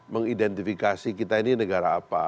mengidentifikasi kita ini negara apa